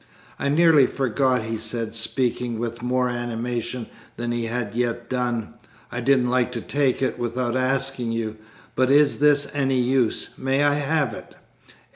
"I nearly forgot," he said, speaking with more animation than he had yet done, "I didn't like to take it without asking you, but is this any use? May I have it?"